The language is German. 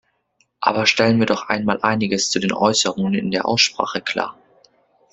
Aber stellen wir doch einmal einiges zu den Äußerungen in der Aussprache klar.